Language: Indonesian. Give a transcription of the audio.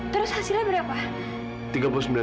terus hasilnya berapa